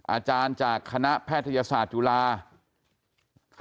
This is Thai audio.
อาจารย์จากคณะแพทยศาสตร์จุฬา